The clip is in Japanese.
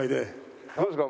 どうですか？